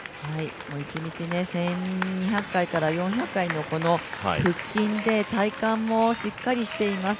一日１２００回から１４００回のこの腹筋で、体幹もしっかりしています。